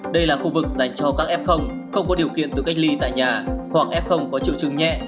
đây là khu vực dành cho các f không có điều kiện tự cách ly tại nhà hoặc f có triệu chứng nhẹ